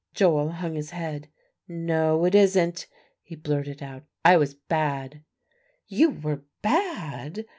Joel hung his head, "No, it isn't," he blurted out; "I was bad." "You were bad?"